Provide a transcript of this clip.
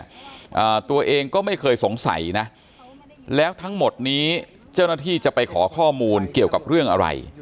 อ่าตัวเองก็ไม่เคยสงสัยนะแล้วทั้งหมดนี้เจ้าหน้าที่จะไปขอข้อมูลเกี่ยวกับเรื่องอะไร